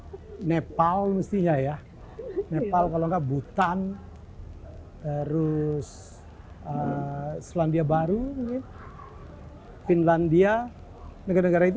hai nepal mestinya ya nepal kalau nggak butan terus selandia baru finlandia negara negara itu